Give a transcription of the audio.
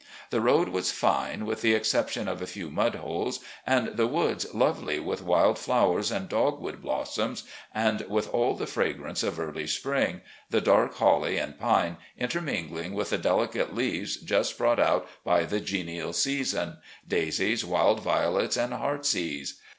The road was fine, with the excep tion of a few mud holes, and the woods lovely with wild flowers and dogwood blossoms and with all the fragrance of early spring, the dark holly and pine intermingling with the delicate leaves just brought out by the genial season, daisies, wild violets, and heart's ease.